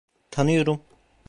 Tanıyorum.